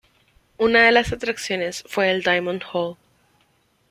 Una de las atracciones fue el Diamond Hall.